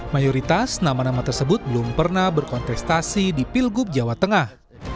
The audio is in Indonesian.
mayoritas nama nama tersebut belum pernah berkontestasi di pilgub jawa tengah